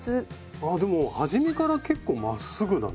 あでも初めから結構まっすぐだね。